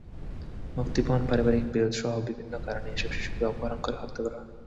মুক্তিপণ, পারিবারিক বিরোধসহ বিভিন্ন কারণে এসব শিশুকে অপহরণ করে হত্যা করা হয়।